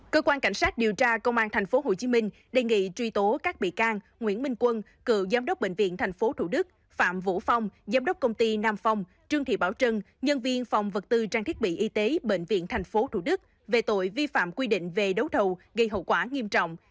cơ quan cảnh sát điều tra công an tp hcm đề nghị truy tố các bị can nguyễn minh quân cựu giám đốc bệnh viện tp thủ đức phạm vũ phong giám đốc công ty nam phong trương thị bảo trân nhân viên phòng vật tư trang thiết bị y tế bệnh viện tp thủ đức về tội vi phạm quy định về đấu thầu gây hậu quả nghiêm trọng